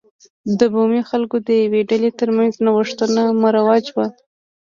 د بومي خلکو د یوې ډلې ترمنځ نوښتونه مروج و.